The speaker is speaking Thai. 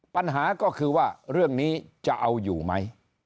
ปัญหาก็คือว่าเรื่องนี้จะเอาอยู่ไหม